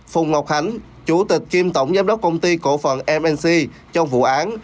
phùng ngọc hánh chủ tịch kiêm tổng giám đốc công ty cổ phần mnc trong vụ án